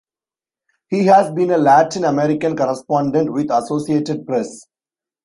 He has been a Latin American correspondent with Associated Press.